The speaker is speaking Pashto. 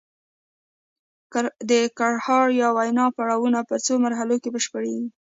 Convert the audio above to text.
د ګړهار یا وینا پړاوونه په څو مرحلو کې بشپړیږي